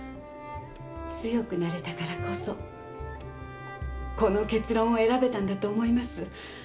強くなれたからこそこの結論を選べたんだと思います。